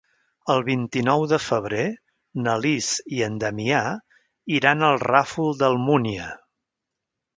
El vint-i-nou de febrer na Lis i en Damià iran al Ràfol d'Almúnia.